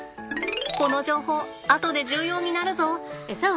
この情報後で重要になるぞ。